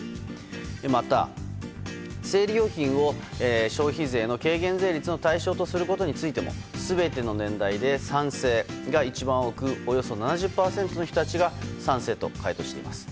また、生理用品を消費税の軽減税率の対象とすることについても全ての年代で賛成が一番多くおよそ７０％の人たちが賛成と回答しています。